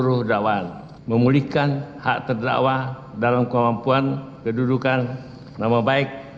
seluruh dakwaan memulihkan hak terdakwa dalam kemampuan kedudukan nama baik